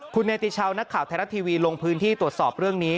คุณเนติชาวนักข่าวไทยรัฐทีวีลงพื้นที่ตรวจสอบเรื่องนี้